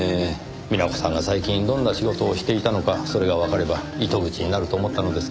美奈子さんが最近どんな仕事をしていたのかそれがわかれば糸口になると思ったのですがね。